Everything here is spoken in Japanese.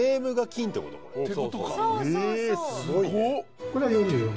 すごいね。